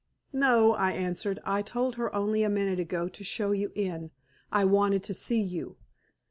"No," I answered; "I told her only a minute ago to show you in. I wanted to see you."